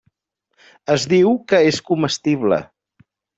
Es diu que és comestible.